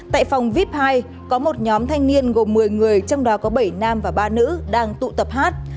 tại phòng vip hai có một nhóm thanh niên gồm một mươi người trong đó có bảy nam và ba nữ đang tụ tập hát